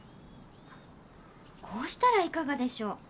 こうしたらいかがでしょう。